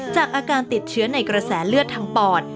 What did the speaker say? อาการติดเชื้อในกระแสเลือดทางปอด